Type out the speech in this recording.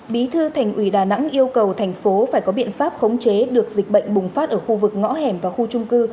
bí thư thành ủy đà nẵng yêu cầu thành phố phải có biện pháp khống chế được dịch bệnh bùng phát ở khu vực ngõ hẻm và khu trung cư